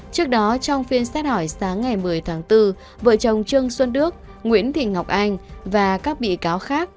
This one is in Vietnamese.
trước đó trong phiên xét hỏi sáng ngày một mươi tháng bốn vợ chồng trương xuân đức nguyễn thị ngọc anh và các bị cáo khác